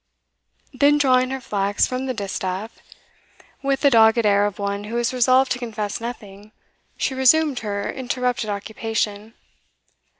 Then drawing her flax from the distaff, with the dogged air of one who is resolved to confess nothing, she resumed her interrupted occupation.